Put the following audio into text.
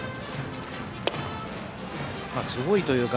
すごいというか